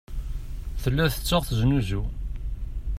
Tella tettaɣ teznuzu.